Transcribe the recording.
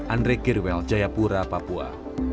andre kirwel jayapura papua